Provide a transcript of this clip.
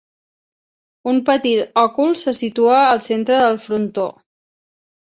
Un petit òcul se situa al centre del frontó.